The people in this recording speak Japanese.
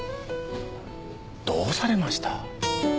どうされました？